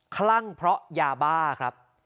คลั่งเพราะยาบ้าครับ